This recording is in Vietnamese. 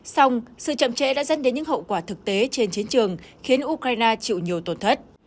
xong sự chậm trễ đã dẫn đến những hậu quả thực tế trên chiến trường khiến ukraine chịu nhiều tổn thất